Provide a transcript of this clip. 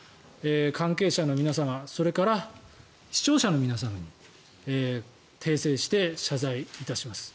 関係者の皆様それから視聴者の皆様に訂正して、謝罪いたします。